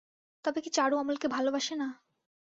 তবে কি চারু অমলকে ভালোবাসে না।